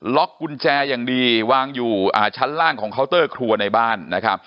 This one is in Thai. กุญแจอย่างดีวางอยู่ชั้นล่างของเคาน์เตอร์ครัวในบ้านนะครับ